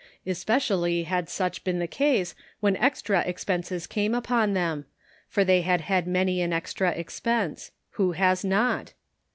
Especially had such been the case when extra expenses came upon them, for they had had many an extra expense ; who has not?